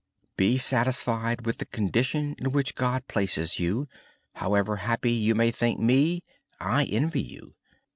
Be satisfied with the condition in which God places you. However happy you may think me, I envy you.